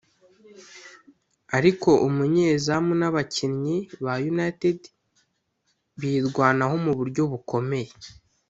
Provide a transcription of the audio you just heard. ariko umunyezamu n’abakinnyi ba United birwanaho mu buryo bukomeye